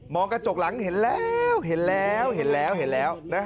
กระจกหลังเห็นแล้วเห็นแล้วเห็นแล้วเห็นแล้วนะ